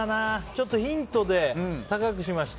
ちょっとヒントで高くしました。